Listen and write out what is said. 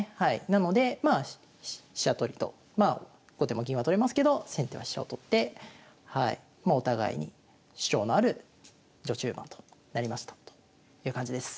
なのでまあ飛車取りとまあ後手も銀は取れますけど先手は飛車を取ってお互いに主張のある序中盤となりましたという感じです。